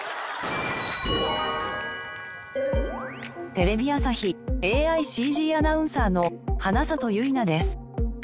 テレビ朝日ＡＩ×ＣＧアナウンサーの花里ゆいなです。